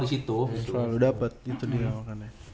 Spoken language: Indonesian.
di situ terlalu dapet itu dia